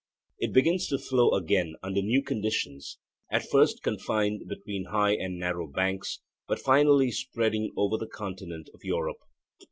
It begins to flow again under new conditions, at first confined between high and narrow banks, but finally spreading over the continent of Europe.